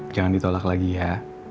jangan ditolak lagi ya